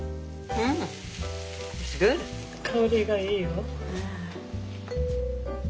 香りがいいよ。